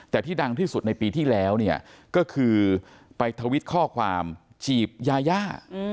แต่ที่ดังที่สุดในปีที่แล้วเนี่ยก็คือไปทวิตข้อความจีบยาย่า